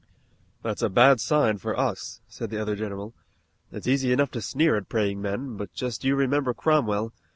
"That's a bad sign for us," said the other general. "It's easy enough to sneer at praying men, but just you remember Cromwell.